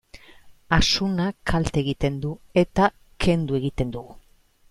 Asunak kalte egiten du, eta kendu egiten dugu.